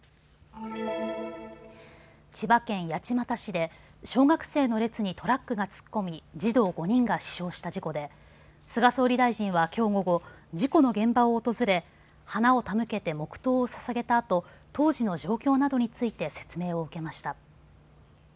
千葉県八街市で小学生の列にトラックが突っ込み、児童５人が死傷した事故で菅総理大臣はきょう午後、事故の現場を訪れ花を手向けて黙とうをささげたあと当時の状況などについて説明を受けました。